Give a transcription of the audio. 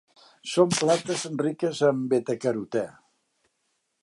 Són plantes riques en betacarotè.